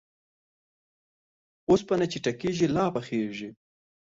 اوسپنه چې ټکېږي ، لا پخېږي.